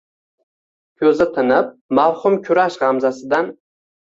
Ko‘zi tinib mavhum kurash g‘amzasidan